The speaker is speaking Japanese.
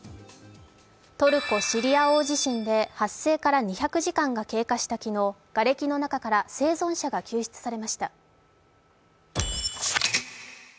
トルコ・シリア大地震で発生から２００時間が経過した昨日がれきの中から生存者が救出されました。